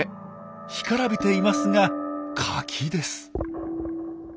干からびていますがカキです。